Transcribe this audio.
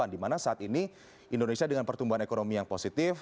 di mana saat ini indonesia dengan pertumbuhan ekonomi yang positif